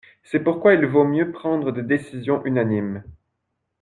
C’est pourquoi il vaut mieux prendre des décisions unanimes.